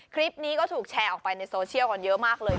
คลิปนี้ก็ถูกแชร์ออกไปในโซเชียลกันเยอะมากเลย